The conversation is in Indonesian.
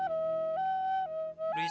ya kita bisa ke rumah